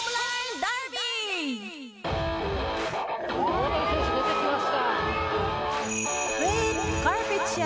大谷選手、出てきました。